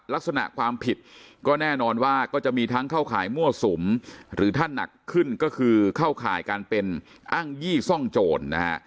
ลักษณะความผิดก็แน่นอนว่าก็จะมีทั้งเข้าข่ายมั่วสุมหรือถ้าหนักขึ้นก็คือเข้าข่ายการเป็นอ้างยี่ซ่องโจรนะฮะ